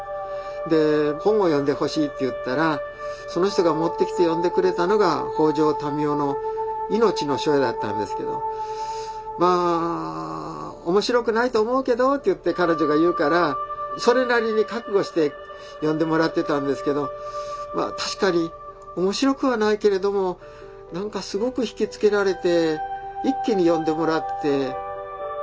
「本を読んでほしい」って言ったらその人が持ってきて読んでくれたのが北条民雄の「いのちの初夜」だったんですけど「まあ面白くないと思うけど」って言って彼女が言うからそれなりに覚悟して読んでもらってたんですけど確かに面白くはないけれども何かすごく引き付けられて一気に読んでもらって。